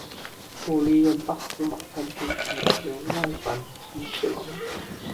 后历任大司马行参军及员外散骑侍郎。